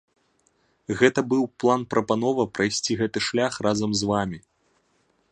Гэта быў план-прапанова прайсці гэты шлях разам з вамі.